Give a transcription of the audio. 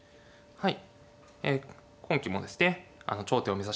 はい。